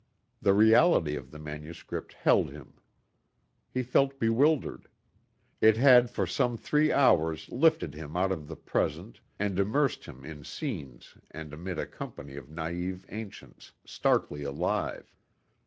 The reality of the manuscript held him. He felt bewildered. It had for some three hours lifted him out of the present and immersed him in scenes and amid a company of naive ancients, starkly alive.